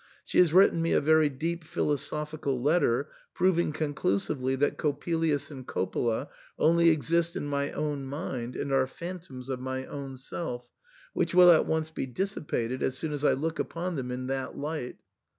She has written me a very deep philosophical letter, proving conclusively that Coppelius and Coppola only exist in my own mind and are phantoms of my own self, which will at once be dissipated, as soon as I look upon them in that light.